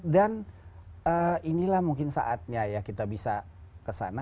dan inilah mungkin saatnya ya kita bisa kesana